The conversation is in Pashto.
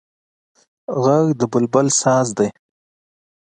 غږ د بلبل ساز دی